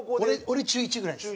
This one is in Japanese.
俺中１ぐらいです。